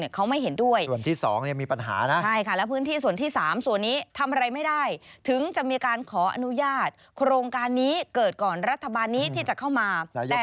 ก่อนรัฐบาลนี้ที่จะเข้ามา